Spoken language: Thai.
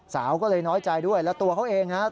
สาวก็เลยน้อยใจด้วยและตัวเขาเอง